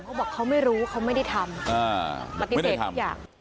ก็บอกเขาไม่รู้เขาไม่ได้ทำไม่ได้ทำทุกอย่าง